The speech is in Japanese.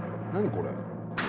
これ。